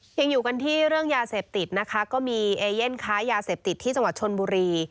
ยังอยู่กันที่เรื่องยาเสพติดนะคะก็มีเอเย่นค้ายาเสพติดที่จังหวัดชนบุรี